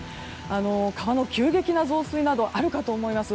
川の急激な増水などあるかと思います。